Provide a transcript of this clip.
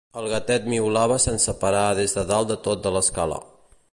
El gatet miolava sense parar des de dalt de tot de l'escala.